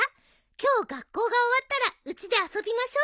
今日学校が終わったらうちで遊びましょう。